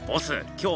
今日